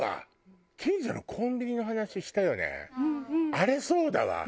あれそうだわ。